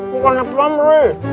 bukan itu ambri